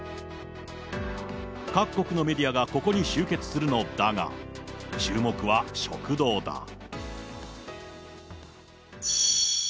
各国のメディアがここに集結するのだが、注目は食堂だ。